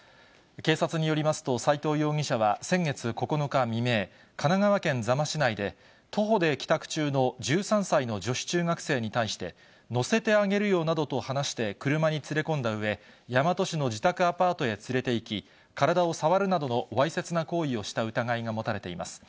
警察によりますと、斎藤容疑者は先月９日未明、神奈川県座間市内で、徒歩で帰宅中の１３歳の女子中学生に対して、乗せてあげるよなどと話して車に連れ込んだうえ、大和市の自宅アパートへ連れていき、体を触るなどのわいせつな行為をした疑いが持たれています。